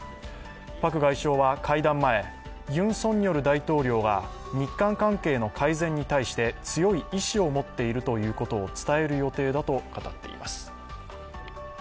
パク外相は会談前、ユン・ソンニョル大統領が日韓関係の改善に対して強い意思を持っていることを伝える予定だと語っています。